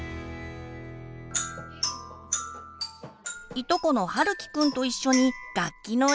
いとこのはるきくんと一緒に楽器の演奏。